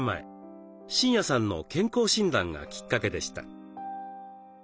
真也さんの健康診断がきっかけでした。